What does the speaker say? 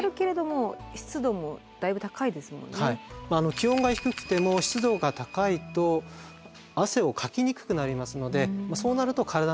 気温が低くても湿度が高いと汗をかきにくくなりますのでそうなると体の中に熱がこもることになります。